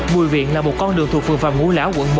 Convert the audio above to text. bùi viện là một con đường thuộc vườn vàng ngũ lão quận một